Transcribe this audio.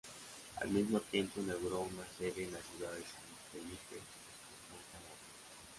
Al mismo tiempo inauguró una sede en la ciudad de San Felipe, Aconcagua.